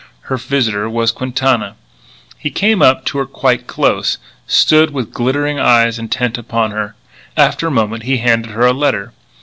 Her visitor was Quintana. He came up to her quite close, stood with glittering eyes intent upon her. After a moment he handed her a letter.